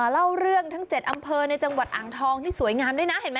เล่าเรื่องทั้ง๗อำเภอในจังหวัดอ่างทองที่สวยงามด้วยนะเห็นไหม